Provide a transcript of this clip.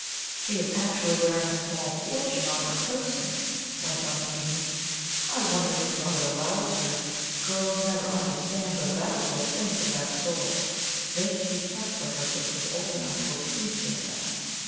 "She is actually wearing a small fortune on her person," went on Amy; "I wonder her brother allows her. Girls never understand the value of things of that sort. They should be kept for her till she is old enough to appreciate them."